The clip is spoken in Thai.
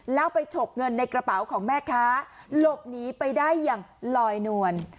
แล้วไปฉกเงินในกระเป๋าของแม่ค้าหลบหนีไปได้อย่างลอยนวล